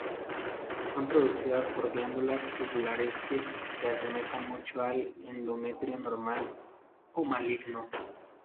Son producidas por glándulas tubulares que se asemejan mucho al endometrio normal o maligno.